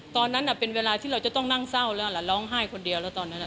ตอนนั้นเป็นเวลาที่เราจะต้องนั่งเศร้าแล้วล่ะร้องไห้คนเดียวแล้วตอนนั้น